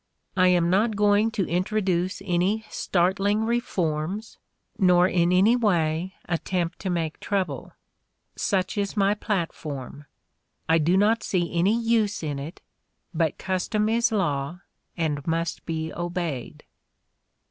I am not going to introduce any startling reforms, nor in any way attempt to make trouble. ... Such is my platform. I do not see any use in it, but custom is law and must be obeyed."